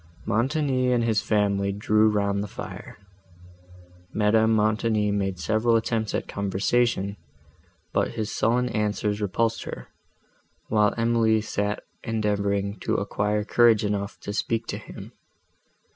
Montoni and his family drew round the fire. Madame Montoni made several attempts at conversation, but his sullen answers repulsed her, while Emily sat endeavouring to acquire courage enough to speak to him.